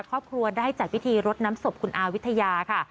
ครอบครัวได้จัดพิธีรดน้ำศพคุณอาวิทยาค่ะ